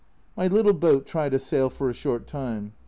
My little boat tried a sail for a short time.